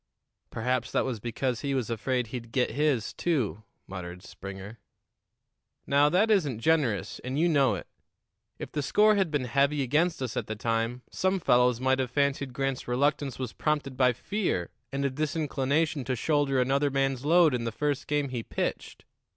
"Perhaps that was because he was afraid he'd get his, too," muttered Springer. "Now, that isn't generous, and you know it. If the score had been heavy against us at the time, some fellows might have fancied Grant's reluctance was prompted by fear and a disinclination to shoulder another man's load in the first game he pitched.